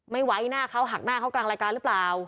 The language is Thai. ไว้หน้าเขาหักหน้าเขากลางรายการหรือเปล่า